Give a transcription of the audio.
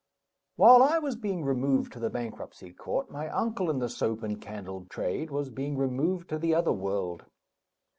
While I was being removed to the bankruptcy court, my uncle in the soap and candle trade was being removed to the other world.